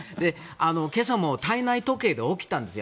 今朝も体内時計で起きたんですよ。